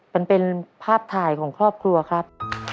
มันเป็นภาพถ่ายของครอบครัวครับ